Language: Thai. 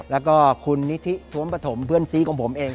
แล้วก็คุณนิธิท้วมปฐมเพื่อนซีของผมเอง